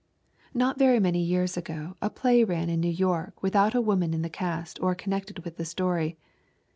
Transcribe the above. Not very many years ago a play ran in New York without a woman in the cast or connected with the story.